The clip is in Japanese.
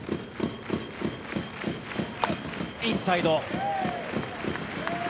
インサイド。